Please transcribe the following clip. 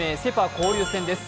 交流戦です。